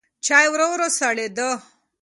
چای ورو ورو سړېده.